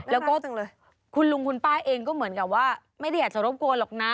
แล้วก็คุณลุงคุณป้าเองก็เหมือนกับว่าไม่ได้อยากจะรบกวนหรอกนะ